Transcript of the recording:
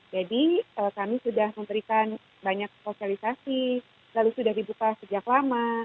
jadi kami sudah memberikan banyak sosialisasi lalu sudah dibuka sejak lama